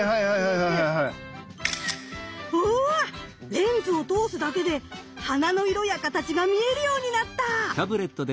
レンズを通すだけで花の色や形が見えるようになった！